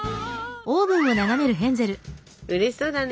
うれしそうだね。